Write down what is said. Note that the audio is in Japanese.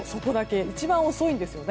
一番遅いんですね